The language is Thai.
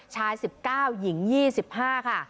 ๑๙หญิง๒๕ค่ะ